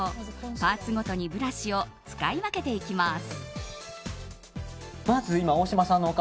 パーツごとにブラシを使い分けていきます。